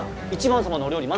１番様のお料理